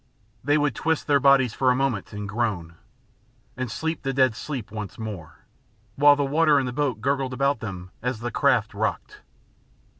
They would twist their bodies for a moment and groan, and sleep the dead sleep once more, while the water in the boat gurgled about them as the craft rocked.